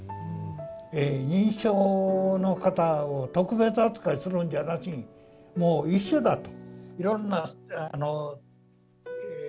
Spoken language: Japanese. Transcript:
認知症の方を特別扱いするんじゃなしにもう一緒だと。